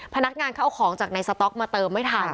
พนักงานเขาเอาของจากในสต๊อกมาเติมไม่ทัน